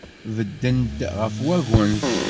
Beddent ɣef wagens.